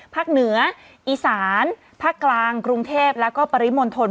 ภาคเหนืออีสานภาคกลางกรุงเทพแล้วก็ปริมณฑล